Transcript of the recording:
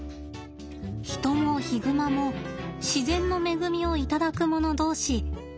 ヒトもヒグマも自然の恵みを頂くもの同士